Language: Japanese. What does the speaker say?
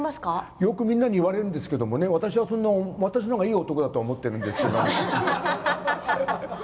よくみんなに言われるんですけど私のほうがいい男だと思っているんですけど。